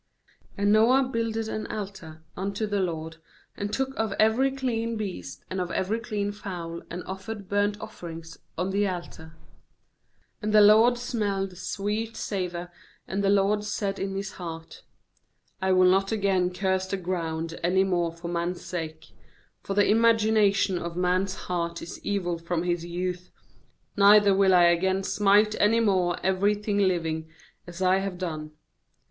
20And Noah builded an altar unto the LOKD; and took of every clean beast, and of every clean fowl, and offered burnt offerings on the altar. 21And the LORD smelled the sweet savour; and the LORD said in His 10 GENESIS 9 25 9 heart: 'I will not again curse the ground any more for man's sake; for the imagination of man's heart is evil from his youth; neither will I again smite any more every thing liv ing, as I have done.